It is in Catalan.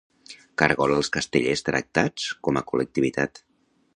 Cargola els castellers tractats com a col·lectivitat.